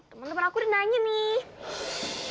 teman teman aku udah nanya nih